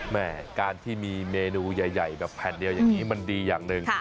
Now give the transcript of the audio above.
แม่การที่มีเมนูใหญ่แบบแผ่นเดียวอย่างนี้มันดีอย่างหนึ่ง